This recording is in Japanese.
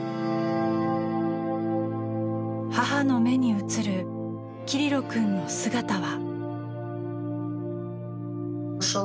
母の目に映るキリロ君の姿は。